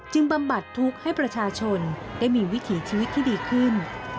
บำบัดทุกข์ให้ประชาชนได้มีวิถีชีวิตที่ดีขึ้น